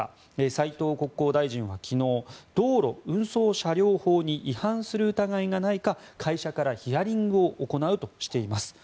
斉藤国交大臣は、昨日道路運送車両法に違反する疑いがないか会社からヒアリングを行うとしています。